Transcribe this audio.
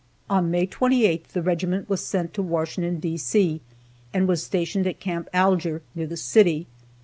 On May 28th the regiment was sent to Washington, D. C., and was stationed at Camp Alger, near the city.